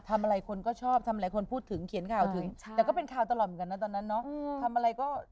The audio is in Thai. ทำอะไรคนก็ชอบทำหลายคนพูดถึงเขียนข่าวถึงแต่ก็เป็นข่าวตลอดเหมือนกันนะตอนนั้นเนาะทำอะไรก็